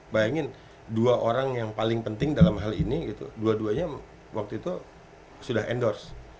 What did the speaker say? bayangin dua orang yang paling penting dalam hal ini dua duanya waktu itu sudah endorse